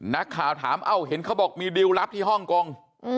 นักข่าวถามเอ้าเห็นเขาบอกมีดิวรับที่ฮ่องกง